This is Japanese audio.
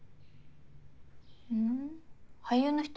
ふん俳優の人？